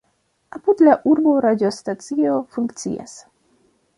Apud la urbo radiostacio funkcias.